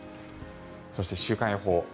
そして週間予報。